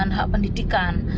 dengan hak pendidikan